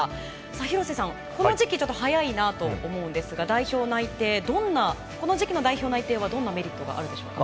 廣瀬さん、この時期ちょっと早いなと思うんですがこの時期の代表内定どんなメリットがあるでしょうか。